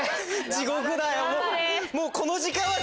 地獄だよ。